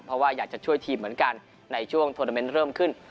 เพราะว่าอยากจะช่วยทีมเหมือนกันในช่วงโทรเมนต์เริ่มขึ้น